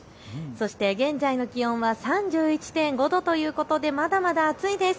そして現在の気温は３１．５度ということでまだまだ暑いです。